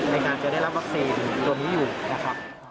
ในการจะได้รับวัคซีนตัวนี้อยู่นะครับ